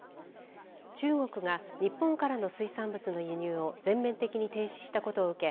中国が日本からの水産物の輸入を全面的に停止したことを受け